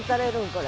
これ。